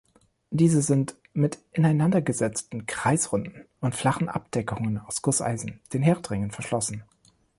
Diese sind mit ineinander gesetzten, kreisrunden und flachen Abdeckungen aus Gusseisen, den Herdringen, verschlossen.